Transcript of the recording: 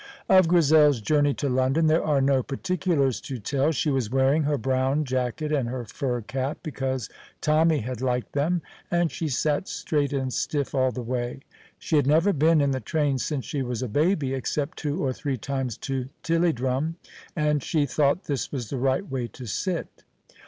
Of Grizel's journey to London there are no particulars to tell. She was wearing her brown jacket and fur cap because Tommy had liked them, and she sat straight and stiff all the way. She had never been in a train since she was a baby, except two or three times to Tilliedrum, and she thought this was the right way to sit.